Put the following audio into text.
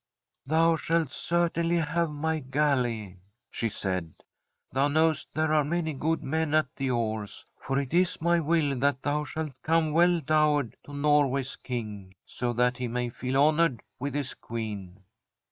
'" Thou shalt certainly have my galley," she said. " Thou knowest there are many good men at the oars. For it is my will that thou shalt come well dowered to Norway's King, so that he may feel honoured with his Queen."